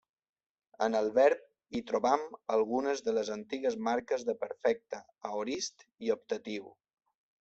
En el verb hi trobam algunes de les antigues marques de perfecte, aorist i optatiu.